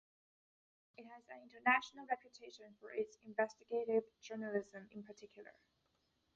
It has an international reputation for its investigative journalism, in particular.